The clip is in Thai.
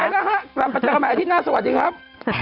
นะฮะกลับมาเจอกันใหม่อาทิตย์หน้าสวัสดีครับ